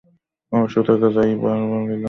অবশ্য তাকে যাই বলতাম না কেন, উনি যা খুশি তাই করতেন।